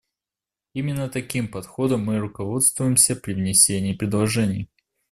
Именно таким подходом мы руководствуемся при внесении предложений.